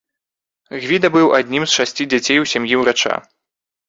Гвіда быў адным з шасці дзяцей у сям'і ўрача.